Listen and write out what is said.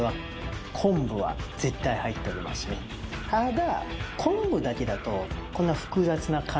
ただ。